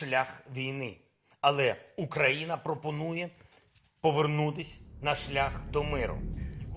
tapi ukraina mencoba kembali ke jalan ke kebebasan